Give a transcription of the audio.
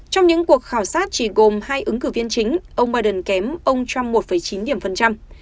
trong những cuộc khảo sát chỉ gồm hai ứng cử viên chính ông biden kém ông trump một chín điểm phần trăm